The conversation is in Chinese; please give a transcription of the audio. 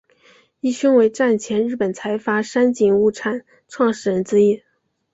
义兄为战前日本财阀三井物产创始人之一。